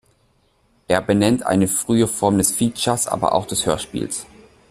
Er benennt eine frühe Form des Features, aber auch des Hörspiels.